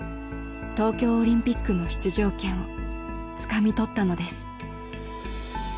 東京オリンピックの出場権をつかみ取ったのです。